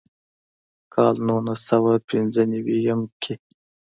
کال نولس سوه پينځۀ نوي يم کښې